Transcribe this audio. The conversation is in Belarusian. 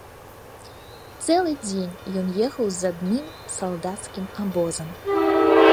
Цэлы дзень ён ехаў з адным салдацкім абозам.